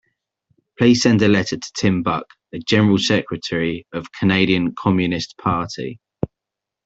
Please send a letter to Tim Buck the General Secretary of Canadian Communist Party.